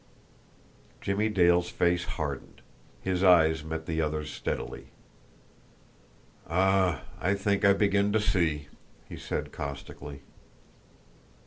Jimmie Dale's face hardened. His eyes met the other's steadily. "Ah, I think I begin to see!" he said caustically.